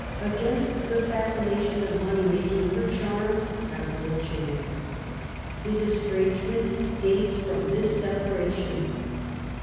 Against the fascination of money making, her charms had little chance. His estrangement dates from this separation.